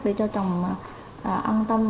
để cho chồng an tâm